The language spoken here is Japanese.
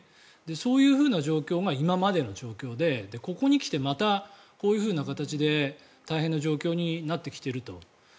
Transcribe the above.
そういうふうな状況が今までの状況でここに来てまたこういうふうな形で大変な状況になってきていると。